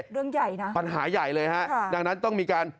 เรื่องใหญ่นะปัญหาใหญ่เลยฮะค่ะดังนั้นต้องมีการ